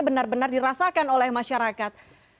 benar benar dirasakan oleh masyarakat